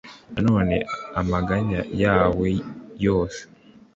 none amaganya yawe yose